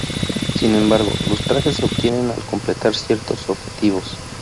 Sin embargo, los trajes se obtienen al completar ciertos objetivos.